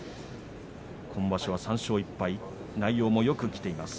今場所は３勝１敗内容もよくきています。